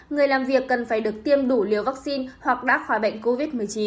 người làm việc cần phải được tiêm đủ liều vaccine hoặc đá khóa bệnh covid một mươi chín